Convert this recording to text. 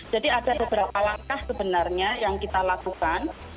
jadi ada beberapa langkah sebenarnya yang kita lakukan